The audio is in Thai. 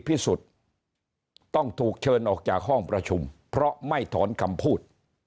สุทธิ์ต้องถูกเชิญออกจากห้องประชุมเพราะไม่ถอนคำพูด